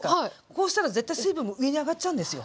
こうしたら絶対水分も上に上がっちゃうんですよ。